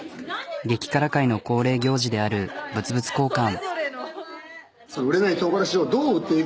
激辛会の恒例行事である物々交換。